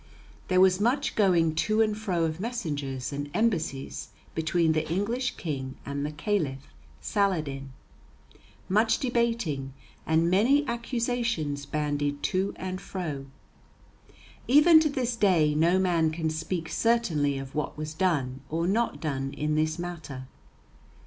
There was much going to and fro of messengers and embassies between the English King and the Caliph Saladin, much debating, and many accusations bandied to and fro. Even to this day no man can speak certainly of what was done or not done in this matter.